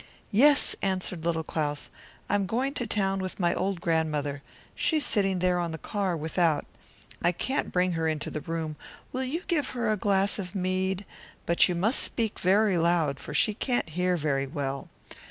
"Yes," said Little Claus; "I am going to the town with my old grandmother; she is sitting at the back of the wagon, but I cannot bring her into the room. Will you take her a glass of mead? but you must speak very loud, for she cannot hear well."